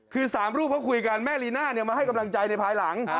คือสามรูปเค้าคุยกันแม่รีน่าเนี่ยมาให้กำลังใจในภายหลัง